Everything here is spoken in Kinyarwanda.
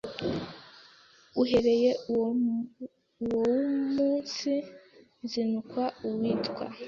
uhereye uwomunsi nzinukwa uwitwa